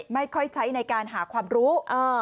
ไม่ค่อยใช้ในการหาความรู้